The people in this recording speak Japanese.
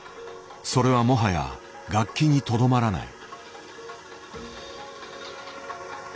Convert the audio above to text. それはもはや楽器にとどまらない。